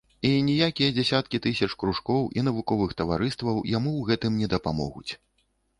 І ніякія дзясяткі тысяч кружкоў і навуковых таварыстваў яму ў гэтым не дапамогуць.